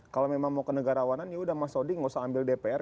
kalau memang mau kenegarawanan yaudah mas sodik nggak usah ambil dpr